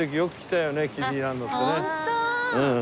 うん。